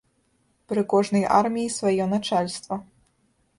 Пры кожнай арміі сваё начальства.